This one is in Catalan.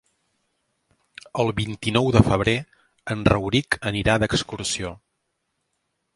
El vint-i-nou de febrer en Rauric anirà d'excursió.